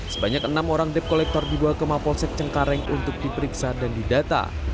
sebanyak enam orang debt collector dibawa ke mapolsek cengkareng untuk diperiksa dan didata